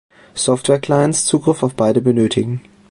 Software-Clients Zugriff auf beide benötigen.